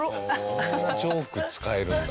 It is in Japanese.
こんなジョーク使えるんだ。